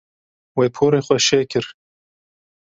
Wê porê xwe şeh kir.